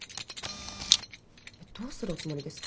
どうするおつもりですか？